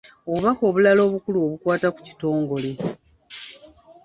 Obubaka obulala obukulu obukwata ku kitongole.